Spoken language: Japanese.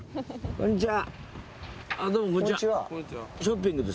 こんにちは。